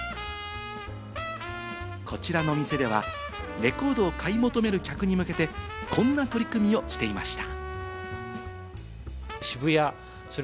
こちらの店ではレコードを買い求める客に向けてこんな取り組みをしていました。